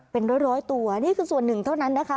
เป็นร้อยตัวนี่คือส่วนหนึ่งเท่านั้นนะคะ